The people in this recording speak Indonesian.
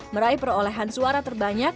meraih perolehan suara terbanyak